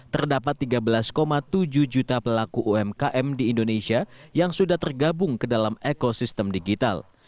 terdapat tiga belas tujuh juta pelaku umkm di indonesia yang sudah tergabung ke dalam ekosistem digital